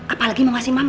apalagi mau ngasih mama